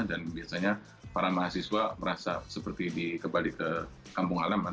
dan biasanya para mahasiswa merasa seperti dikembali ke kampung halaman